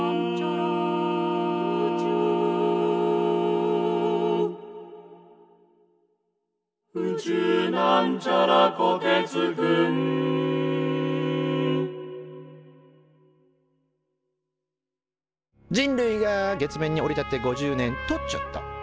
「宇宙」人類が月面に降り立って５０年！とちょっと。